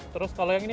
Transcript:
terus kalau yang ini